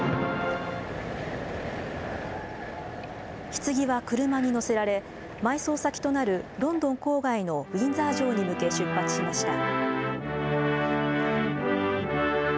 ひつぎは車に乗せられ、埋葬先となるロンドン郊外のウィンザー城に向け、出発しました。